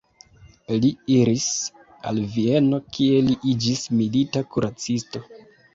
Li iris al Vieno kie li iĝis milita kuracisto.